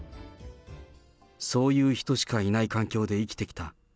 そういう人しかいない環境で生きてきた。